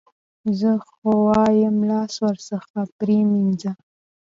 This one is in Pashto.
زه خو وایم لاس ورڅخه پرې مینځه.